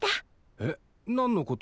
えっ？何のこと？